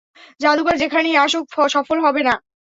জাদুকর যেখানেই আসুক, সফল হবে না।